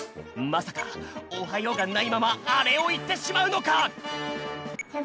まさか「おはよう」がないままあれをいってしまうのか？